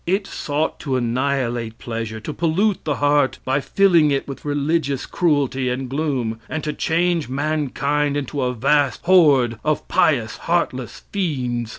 It sought to annihilate pleasure, to pollute the heart by filling it with religious cruelty and gloom, and to change mankind into a vast horde of pious, heartless fiends.